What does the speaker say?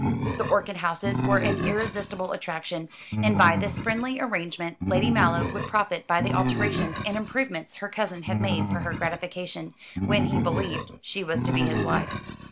The orchid houses were an irresistible attraction, and by this friendly arrangement Lady Mallow would profit by the alterations and improvements her cousin had made for her gratification, when he believed she was to be his wife.